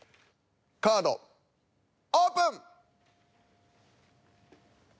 カードオープン！